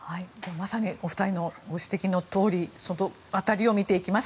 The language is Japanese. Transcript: まさにお二人のご指摘のとおりその辺りを見ていきます。